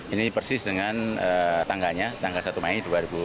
ini persis dengan tangganya tanggal satu mei dua ribu tujuh belas